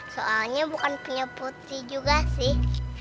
soalnya bukan punya putri juga sih